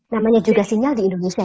namanya juga sinyal di indonesia